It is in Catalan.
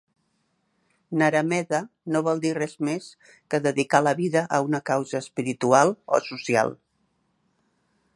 Naramedha no vol dir res més que dedicar la vida a una causa espiritual o social.